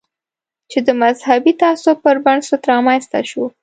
چې د مذهبي تعصب پر بنسټ رامنځته شو.